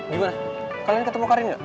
gimana kalian ketemu karin gak